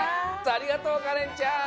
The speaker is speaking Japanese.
ありがとうかれんちゃん。